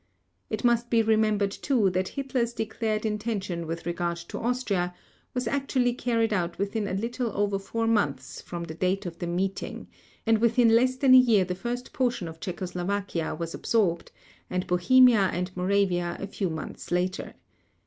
It must be remembered too that Hitler's declared intention with regard to Austria was actually carried out within a little over four months from the date of the meeting, and within less than a year the first portion of Czechoslovakia was absorbed, and Bohemia and Moravia a few months later.